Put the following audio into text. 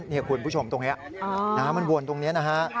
นี่คุณผู้ชมตรงนี้น้ำมันวนตรงนี้นะฮะ